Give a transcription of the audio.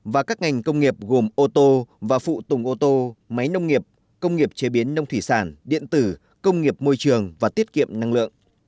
máy nông nghiệp công nghiệp chế biến nông thủy sản điện tử công nghiệp môi trường và tiết kiệm năng lượng